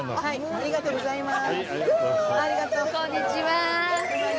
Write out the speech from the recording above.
ありがとうございます。